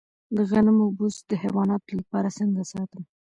د غنمو بوس د حیواناتو لپاره څنګه ساتم؟